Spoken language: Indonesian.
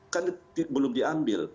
kan belum diambil